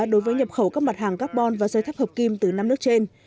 đối với nhập khẩu các mặt hàng carbon và dây thép hợp kim từ năm nước trên